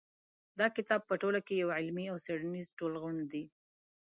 دا کتاب په ټوله کې یو علمي او څېړنیز ټولغونډ دی.